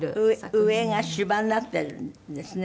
上が芝になっているんですね。